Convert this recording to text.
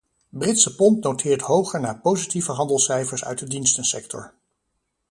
Britse pond noteert hoger na positieve handelscijfers uit de dienstensector.